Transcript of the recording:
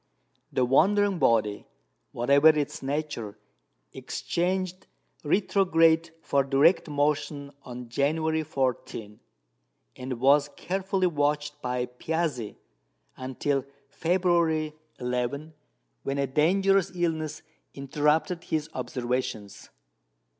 The wandering body, whatever its nature, exchanged retrograde for direct motion on January 14, and was carefully watched by Piazzi until February 11, when a dangerous illness interrupted his observations.